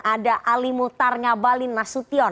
ada ali muhtar ngabalin nasution